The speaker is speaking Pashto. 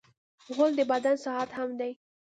غول د بدن ساعت هم دی.